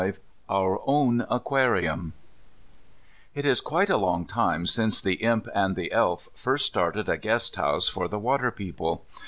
V OUR OWN AQUARIUM It is quite a long time since the Imp and the Elf first started a guest house for the water people.